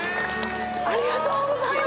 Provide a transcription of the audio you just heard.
ありがとうございます。